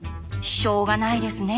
しょうがないですね。